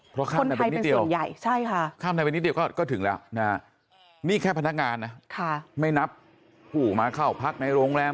เพราะกล้ามในเป็นนิดเดียวก็ถึงแล้วนี่แค่พนักงานไม่นับผู้มาเข้าพักในโรงแรม